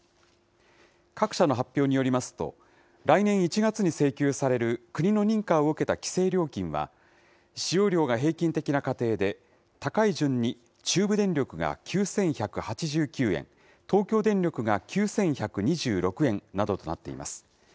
各社の発表によりますと、来年１月に請求される国の認可を受けた規制料金は、使用料が平均的な家庭で、高い順に、中部電力が９１８９円、東京電力が９１２６円などとなっています。